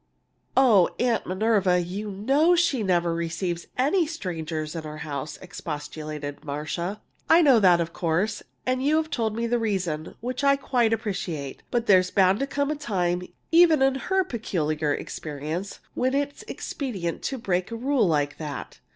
"Oh, Aunt Minerva, you know she never receives any strangers in the house!" expostulated Marcia. "I know that, of course. And you told me the reason, which I quite appreciate. But there's bound to come a time, even in her peculiar experience, when it's expedient to break a rule like that.